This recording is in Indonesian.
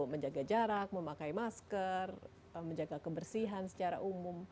menjaga jarak memakai masker menjaga kebersihan secara umum